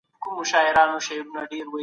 او ښايسته مخ دي